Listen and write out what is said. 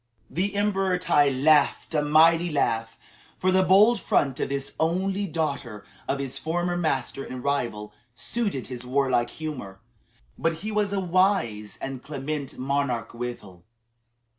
The Emperor Tai laughed a mighty laugh, for the bold front of this only daughter of his former master and rival, suited his warlike humor. But he was a wise and clement monarch withal.